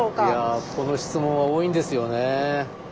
いやこの質問は多いんですよね。